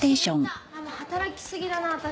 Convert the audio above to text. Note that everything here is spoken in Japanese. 働きすぎだな私。